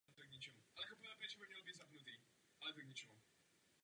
Proti Francii nyní bojovalo jen Rakousko a Velká Británie.